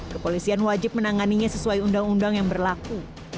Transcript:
kepolisian wajib menanganinya sesuai undang undang yang berlaku